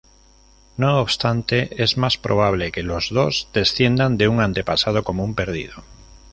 No obstante, es más probable que los dos desciendan de un antepasado común perdido.